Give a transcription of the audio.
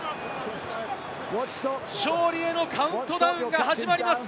勝利へのカウントダウンが始まります。